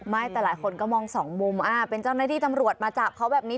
แต่หลายคนก็มองสองมุมเป็นเจ้าหน้าที่ตำรวจมาจับเขาแบบนี้